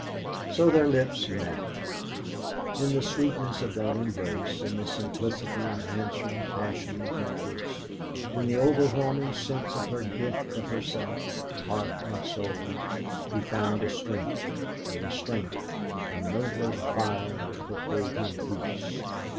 So their lips met. In the sweetness of that embrace, in the simplicity and answering passion of her kiss, in the overwhelming sense of her gift of herself, heart and soul, he found a strength, a restraint, a nobler fire that gave him peace.